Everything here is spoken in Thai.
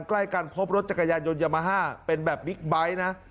ใกล้กันพบรถจักรยานยนต์ยามาฮ่าเป็นแบบบิ๊กไบท์นะ